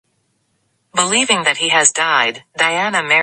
Believing that he has died, Diana marries Ronald.